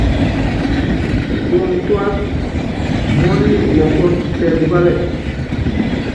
Tuɔŋu túata, muɔ́nu nyi kɔ́ɔkun tɛ kukalitɛ.